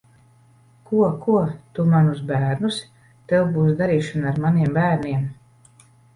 Ko, ko? Tu manus bērnus? Tev būs darīšana ar maniem bērniem!